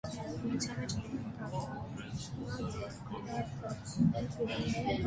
Բնութեան մէջ ամենատարածուած գոյներէն է։